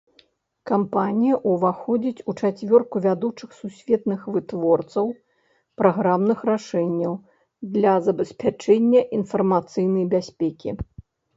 Кампанія ўваходзіць у чацвёрку вядучых сусветных вытворцаў праграмных рашэнняў для забеспячэння інфармацыйнай бяспекі.